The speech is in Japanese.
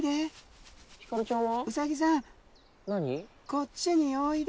こっちにおいで！